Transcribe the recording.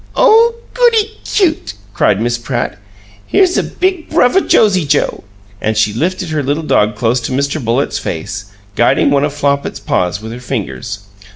"Oh, goody cute!" cried Miss Pratt. "Here's big Bruvva Josie Joe!" And she lifted her little dog close to Mr. Bullitt's face, guiding one of Flopit's paws with her fingers.